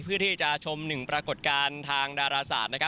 เพื่อที่จะชมหนึ่งปรากฏการณ์ทางดาราศาสตร์